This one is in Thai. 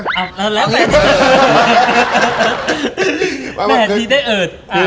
อ้าวแล้วแม่ที่ได้เอิด